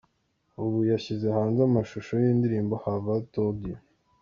Ubu yashyize hanze amashusho y’indirimbo “Have I Told You”.